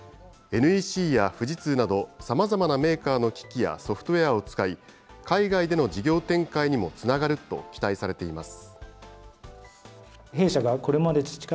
ＮＥＣや富士通などさまざまなメーカーの機器やソフトウエアを使い、海外での事業展開にもつながると期待されています。